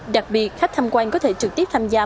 đặc biệt khách tham quan có thể trực tiếp tham gia